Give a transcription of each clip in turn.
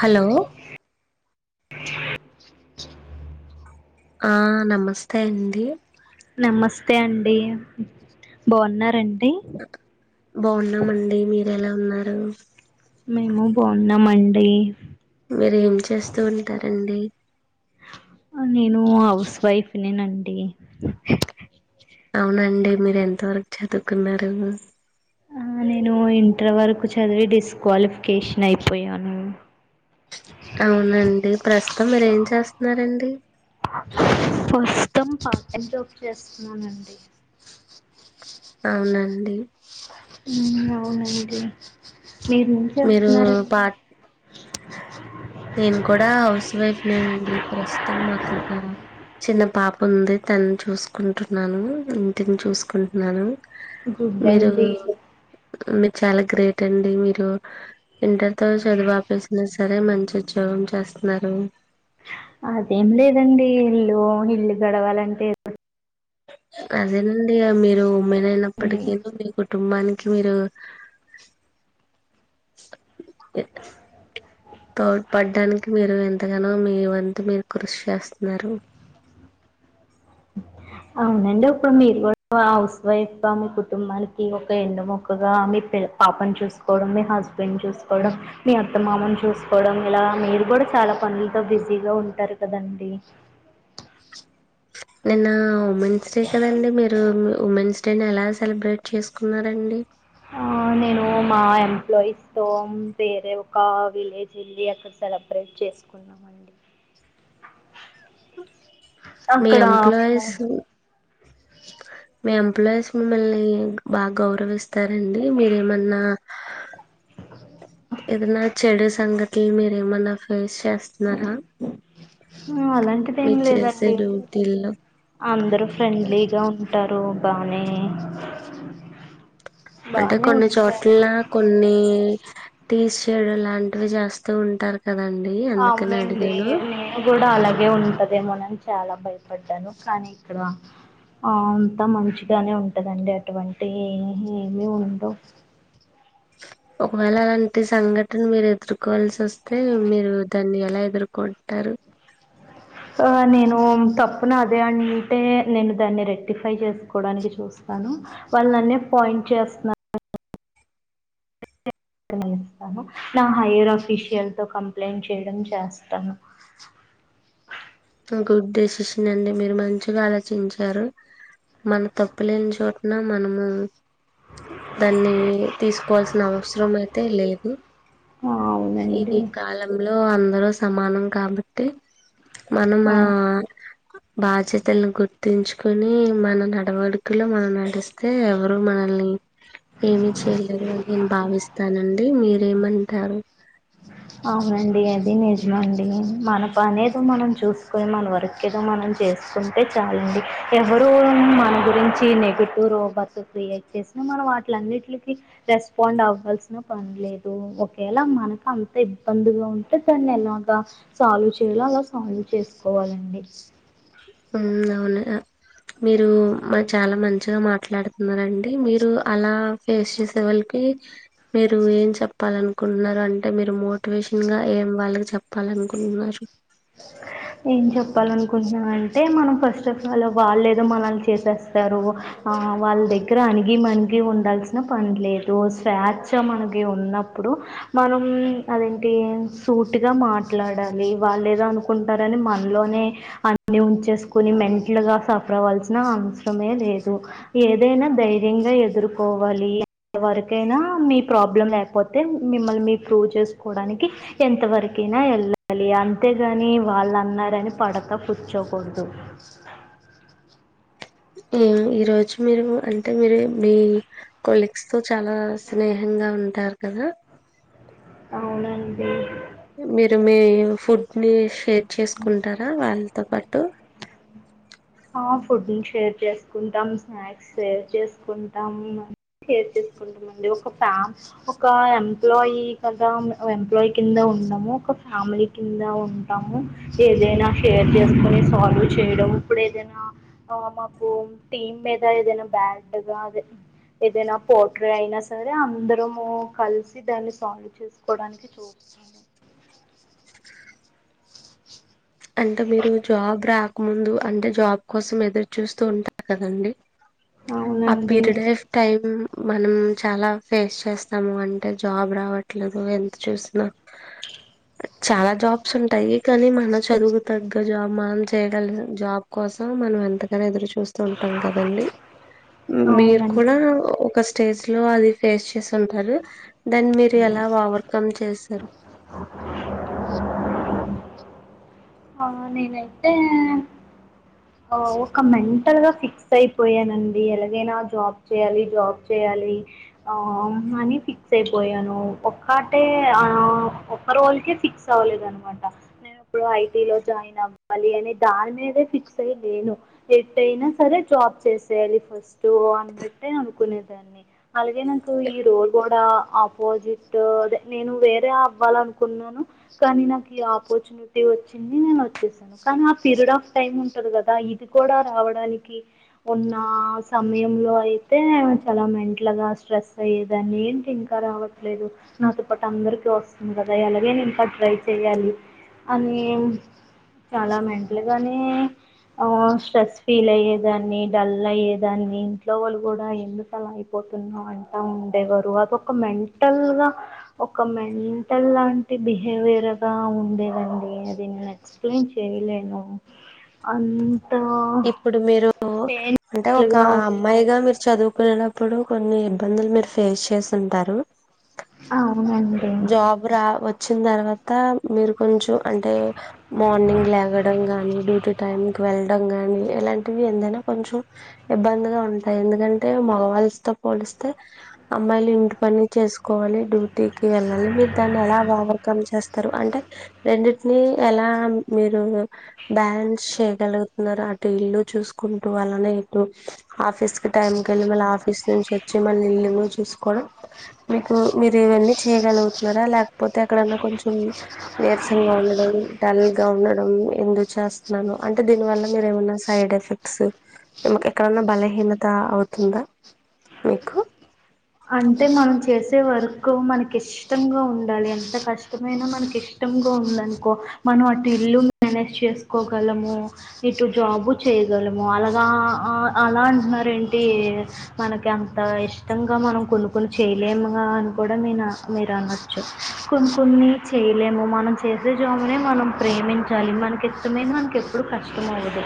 Hello ఆ నమస్తే అండి నమస్తే అండి బాగున్నార బాగున్నామండి మీ ఎలా ఉన్నారు మేము బాగున్నామండి మీరు ఏం చేస్తూ ఉంటారు అండి నేను హౌస్ వైఫ్ నేనండి అవునండి మీరు ఎంత వరకు చదువుకున్నారు ఆ నేను ఇంటర్ వరకు చదివి డిస్క్వాలిఫికేషన్ అయిపోయాను అవునండి ప్రస్తుతం మీరేం చేస్ న్నర అండి ప్రస్తుతం పార్ట్ టైమ్ జాబ్ చేస్తున్నానండి అవునండి ఉమ్ అవునండి మీరేం మీరు చేస్తున్నారండి పాట్ నేను కూడా హౌస్ వైఫ్ నేను దీ ప్రస్తుతం మాకు ఒక చిన్న పాప ఉంది తననీ చూసుకుంటున్నాను ఇంటిని చూసుకుంటున్నాను గుడ్ మీరు అండి మీరు చాలా గ్రేట్ అండి మీరు ఇంటర్తో చదువు ఆపేసినా సరే మంచి ఉద్యోగం చేస్తున్నారు అదేం లేదండి ఇల్లు ఇల్లు గడవాలంటే అదేనండి మీరు అ అండి అప్పటికే కుటుంబానికి, మీరు తోడ్ పడ్డానికి మీరు ఎంతగానో మీ వంతు మీరు కృషి చేస్తున్నారు అవునండి ఇప్పుడు మీరు కూడా హౌస్ వైఫ్ మీ కుటుంబానికి, ఒక ఎండ మొక్కగా మీ పి పాపను చూసుకోవడం మీ హస్బెండ్ చూసుకోవడం, మీ అత్తమామని చూసుకోవడం, ఇలా మీరు కూడా చాలా పనులతో బిజీగా ఉంటారు కదండి. నిన్న ఉమెన్స్ డే కదండి, మీరు ఉమెన్స్ డేని ఎలా సెలబ్రేట్ చేసుకున్నరండి అ నేను మా ఎంప్లాయీస్తో, వేరే ఒక విలేజ్ వెళ్ళి అక్కడ సెలబ్రేట్ చేసుకున్నామ అండి మీ మేము ఎంప్లాయిస్ మీ ఎప్లాయస్ మిమ్మల్ని బాగా గౌరవిస్తారండి, మీరేమన్నా, ఏదనా చెడు సంగతులు మీరేమన్నా ఫేస్ చేస్తున్నారా అలాంటిది ఏం మీరు చేసే లేదండి డ్యూటీల్లో అందరూ ఫ్రెండ్లీగా ఉన్న టారుగానే అంటే కొన్ని చోట్ల కొన్ని తీసిచడు లాంటివి చేస్తూ ఉంటారు కదండి అందుకని అవునండి అడిగాను నే గూడా అలాగే ఉంటది ఏమోనని చాలా భయపడ్డాను, కానీ ఇక్కడ అంతా మంచిగానే ఉంటదండి అటువంటి ఏ ఏమీ ఉండవు. ఒకవేళ అలాంటి సంఘటన మీరు ఎదుర్కోవాల్సి వోస్తే, మీరు దాన్ని ఎలా ఎదుర్కొంటారు ఆ నేను తప్పున అదే అంటే, నేను దాన్ని రెక్టిఫై చేస్కోడానికి చూస్తాను, వాళ్ళు నన్నే పాయింట్ చేస్తునార్ నా హైయర్ అఫీషియల్ తో కంప్లైంట్ చేయడం చేస్తాను గుడ్ డేసిషన్ అండి మీరు మంచిగా ఆలోచించారు, మన తప్పు లేని చోటన మనము దాన్ని తీసుకోవాల్సిన అవసరం అయితే లేదు ఆ అవునండి ఈ కాలంలో అ న్ అందరూ సమానం కాబట్టి మనమ్ మా అవును బాజ్యాతల్ను గుర్త్ గుర్తుంచుకొని మన నడవడికలో మనం నడిస్తే, ఎవరు మనల్ని ఏమి చేయలేరు అని నేను భావిస్తానండి, మీరేమంటారు అవునండి అది నిజమండి, మన పని ఏదో మనం చూస్కొని మన వర్క్ ఏదో మనం చేస్కుంటే చాలండి, ఎవరు మన గురించి నెగిటివ్ రోబర్సు క్రియేట్ చేస్నా మనం వాటిలన్నిటికి రెస్పాండ్ అవ్వాల్సిన పని లేదు, ఒకేళ మనకు అంత త ఇబ్బందిగా ఉంటే దాన్ని ఏలాగా సాల్వ్ చేయాలో అలా సాల్వ్ చేస్కోవాలండి. మ్ అవును అ మీరు మ చాలా మంచిగా మాట్లాడుతున్నారండి. టి మీరు అలా పేస్ చేసే వాళ్లకి మీరు ఏం చెప్పాలన్ కున్నారు అంటే మీరు మోటివేషన్ గా ఏం వాళ్ళకి చెప్పాలనుకుంటున్నారు? ఏం చెప్పాలనుకుంటున్నానంటే మనం ఫస్ట్ ఆఫ్ ఆల్ వాళ్ళు ఏదో మనల్ని చేసేస్తారు ఆ వాళ్ళ దగ్గర అణిగి మణగి ఉండాల్సిన పని లేదు. స్వేచ్ఛ మనకి ఉన్నప్పుడు మనం అదేంటి సూటిగా మాట్లాడాలి వాళ్ళు ఏదో ఏదో అనుకుంటారని మన్లోనే అన్ని ఉంచేస్కొని మెంటల్గా సఫర్ అవ్వాల్సిన అవసరమే లేదు. ఏదైనా ధైర్యంగా ఎదుర్కోవాలి. ఎంతవరకైనా మీ ప్రాబ్లం లేకపోతే మిమ్మల్ని మీ ప్రూవ్ చేస్కోవడానికి ఎంతవరకైనా వెళ్ళాలి. అన్ అంతే గాని వాళ్ళు అన్నారని పడక కూర్చోకూడదు. హ్మ్ ఈ రోజు మీరు అంటే మీరు మీ కొలీగ్స్ తో చాలా స్నేహంగా ఉంటారు కదా ఔనండి మీరు మీ ఫుడ్ ని షేర్ చేస్కుంటారా వాళ్ళతో పాటు హ ఫుడ్ని షేర్ చేసుకుంటాం. స్నాక్స్ షేర్ చేసుకుంటాం. షేర్ చేసుకుంటమండి. ఒక ఫ్యా ఒక ఎంప్లాయీ కదా ఎంప్లాయీ కింద ఉండము ఒక ఫ్యామిలీ కింద ఉంటాము. ఏదైనా షేర్ చేసుకొని సాల్వ్ చేయడం ఇప్పుడు ఏదైనా మాకు టీమ్ మీద ఏదైనా బ్యాడ్గా అదే ఏదైనా పోట్రే అయినా సరే అందరము కలిసి దాన్ని సాల్వ్ చేసుకోడానికి అంటే మీరు జాబ్ రా ముందు అంటే జాబ్ కోసం ఎదురు చూస్తూ ఉంటారు కదండి ఆ అవునండి పీరిడ్ ఆఫ్ టైమ్ మనం చాలా ఫేస్ చేస్తాము అంటే జాబ్ రావట్లేదు ఎంత చూసినా చాలా జాబ్స్ ఉంటాయి కానీ మన చదువు తగ్గ జాబ్ మనం చేయగలిన జాబ్ కోసం మనం ఎంతగానో ఎదురుచు చూస్త ఉంటాం కదండీ మీరు కూడా అవునండి ఒక స్టేజ్ లో అది ఫేస్ చేసి ఉంటారు దాన్ని మీరు ఎలా ఓవర్కమ్ చేశారు వో ఆ నేనయితే ఒక మెంటల్ గా ఫిక్స్ అయిపోయానండి ఎలాగైనా జాబ్ చేయాలి జాబ్ చేయాలి ఆ అని ఫిక్స్ అయిపోయాను ఒక్కటే ఆ ఒక్క రోళకే ఫిక్స్ అవ్వలేదు అనమాట నేను ఇప్పుడు ఐటీ లో జాయిన్ అవ్వాలి అని దాని మీదే ఫిక్స్ స లేను ఎట్ అయినా సరే జాబ్ చేసేయాలి ఫస్ట్ అన్నట్టే అనుకునేదాన్ని అలాగే నాకు ఈ ఈరోజు కూడా ఆపోజిట్ అదే నేను వేరే అవ్వాలనుకున్నాను కానీ నాకు ఈ ఆపర్చునిటీ వచ్చింది నేను వచ్చేసాను కానీ ఆ పీరియడ్ ఆఫ్ టైమ్ డు కదా ఇది కూడా రావడానికి ఉన్న సమయంలో అయితే చాలా మెంటల్గా స్ట్రెస్ అయ్యేదాన్ని ఏంటి ఇంకా రావట్లేదు నాతో పాటు అందరికీ వస్తుంది కదా అలాగే ఇంకా ట్రై చేయాలి అని చాలా మెంటల్గానే ఆ స్ట్రెస్ ఫీల్ అయ్యేదాన్ని డల్ అయ్యేదాన్ని ఇంట్లో వాళ్ళు కూడా ఎందుకలా అయిపోతున్నా అంటా ఉండేవారు అది ఒక మెంటల్గా ఒక మెంటల్ లాంటి బిహేవియర్గా ఉండేదండి అది నేను ఎక్స్ప్లెయిన్ చేయలేను అన్ ఇప్పుడు మీరు అంటే పెయిన్ఫుల్ ఒక గా అమ్మాయిగా ఉంటది మీరు చదువుకునే ఇప్పుడు కొన్ని ఇబ్బందులు మీరు ఫేస్ చేసింటారు అవునడి జాబ్ రా వచ్చిన తర్వాత మీరు కొంచెం అంటే మార్నింగ్ లేగడం గాని డ్యూటీ టైమ్ వెళ్ళ ని ఇలాంటివి ఎందైనా కొంచం ఇబ్బందిగా ఉంటాయి ఎందుకంటే మగవాళ్ళతో పోలిస్తే అమ్మాయిలు ఇంటి పని చేసుకోవాలి డ్యూ టీకి వెళ్ళాలి మీరు దాన్ని ఎలా ఓవర్కమ్ చేస్తారు అంటే రెండింటిని ఎలా మీరు బ్యాలెన్స్ చేయగలుగు అటు ఇల్లు చూసుకుంటూ అలనే ఇటు ఆఫీస్ కి టైం క వెళ్ళి మళ్ళ ఆఫీస్ నుంచి వచ్చి మళ్ళ ఇలు చూసుకోవడం మీకు మీరు ఇవన్నీ చేయగలుగుతున్నారా లేకపోతే అక్కడన్నా కొంచెం నీరసంగా ఉండడం డల్ గా ఉండడం ఎందు చేస్తున్నాను అంటే దీని వల్ల మీరేమన్నా సైడ్ ఎఫెక్ట్స్కు ఎక్కడన్నా బలహీనత అవుతుందా మీకు అంటే మనం చేసే వర్క్ మనకి ఇష్టంగా ఉండాలి ఎంత కష్టమైనా మనకి ఇష్టంగా ఉండందనుకో మనం అటు ఇల్లు మేనేజ్ చేసుకోగలము ఇటు జాబు చేయగలము అలాగా అలా అంటున్నారుార ఏంటి మనకి అంత ఇష్టంగా మనం కొనుక్కలు చేయలేముగా అని కూడా మీ మీరు అనొచ్చు కొన్ని కొన్ని చేయలేము మనం చేసే జామునే మనం ప్రేమించాలి మనకి ఇష్టమైన మనకి ఎప్పుడు కష్టం అవుదు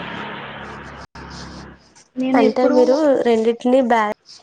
అంటే మీరు రెండింటిని బ్యాలెన్స్